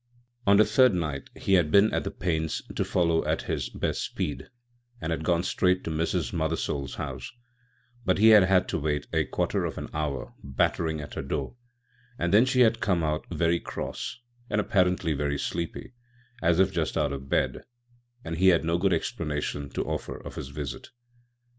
On the third night he had been at the pains to follow at his best speed, and had gone straight to Mrs. Mothersole's house; but he had had to wait a quarter of an hour battering at her door, and then she had come out very cross, and apparently very sleepy, as if just out of bed; and he had no good explanation to offer of his visit.